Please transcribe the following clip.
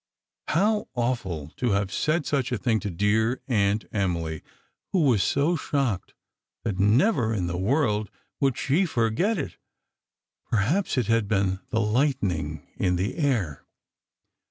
How awful to have said such a thing to dear Aunt Emily, who was so shocked that never in the world would she forget it! Perhaps it had been the lightning in the air.